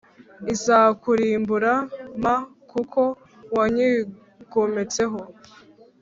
izakurimbura m kuko wanyigometseho